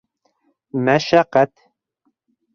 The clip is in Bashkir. — Мәшәҡәт —